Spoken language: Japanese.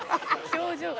表情が。